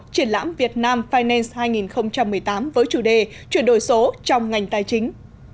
triển lãm việt nam finance hai nghìn một mươi tám với chủ đề chuyển đổi số trong ngành tài chính